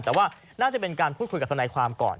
แต่ว่าน่าจะเป็นการพูดคุยกับทนายความก่อน